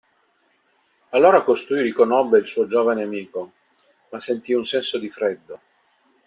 Allora costui riconobbe il suo giovane amico, ma sentì un senso di freddo.